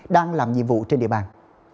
đang làm nhiệm vụ trên địa bàn